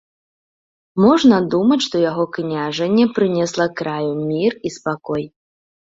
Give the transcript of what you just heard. Можна думаць, што яго княжанне прынесла краю мір і спакой.